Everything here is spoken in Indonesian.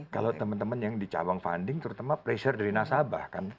kalau teman teman yang di cabang funding terutama pressure dari nasabah kan